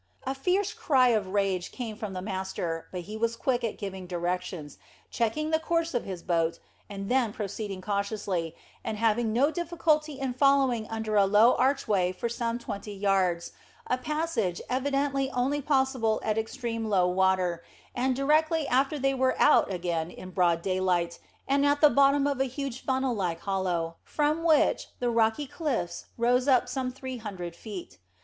A fierce cry of rage came from the master, but he was quick at giving directions, checking the course of his boat, and then proceeding cautiously; and having no difficulty in following under a low archway for some twenty yards, a passage evidently only possible at extreme low water, and directly after they were out again in broad daylight, and at the bottom of a huge funnel like hollow, from which the rocky cliffs rose up some three hundred feet.